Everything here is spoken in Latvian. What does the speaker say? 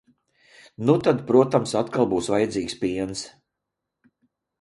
Nu tad, protams, atkal būs vajadzīgs piens.